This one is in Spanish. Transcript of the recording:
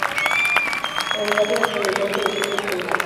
En el barrio de San Miguel se decidió el triunfo.